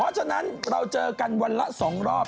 เพราะฉะนั้นเราเจอกันวันละ๒รอบ